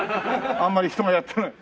あんまり人がやってない。